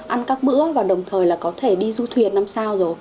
ăn các bữa và đồng thời là có thể đi du thuyền năm sao rồi